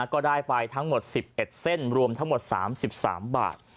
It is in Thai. ก็ได้ไปทั้งหมด๑๑เส้นรวมทั้งหมด๓๓บาท